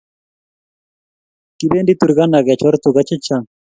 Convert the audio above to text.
Kipendi Turkana kechor Tuka che chang